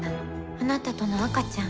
あなたとの赤ちゃん。